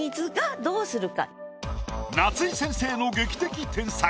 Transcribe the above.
夏井先生の劇的添削！